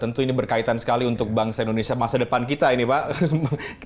tentu ini berkaitan sekali untuk bangsa indonesia masa depan kita ini pak